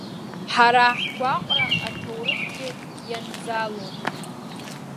Ҳара ҳгәаҟра аҭоурыхгьы ианӡалом.